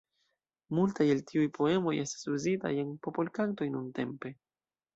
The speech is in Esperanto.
Multaj el tiuj poemoj estas uzitaj en popolkantoj nuntempe.